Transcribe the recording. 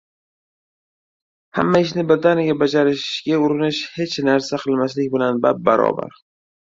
Hamma ishni birdaniga bajarishga urinish — hech narsa qilmaslik bilan bab-barobar.